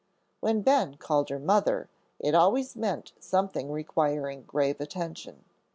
When Ben called her "Mother," it always meant something requiring grave attention.